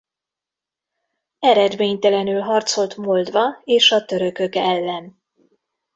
Eredménytelenül harcolt Moldva és a törökök ellen.